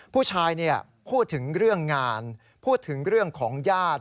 ผู้ชายพูดถึงเรื่องงานพูดถึงเรื่องของญาติ